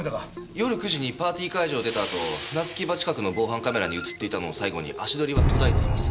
夜９時にパーティー会場を出たあと船着き場近くの防犯カメラに映っていたのを最後に足取りは途絶えています。